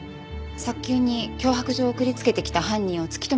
早急に脅迫状を送りつけてきた犯人を突き止めて頂きたいんです。